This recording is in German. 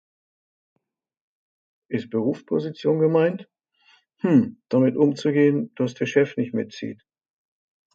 Ist Berufsposition gemeint? Hm, damit umzugehen das der Chef nicht mitzieht.